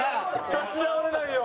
立ち直れないよ。